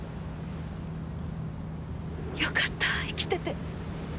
よかった生きてて。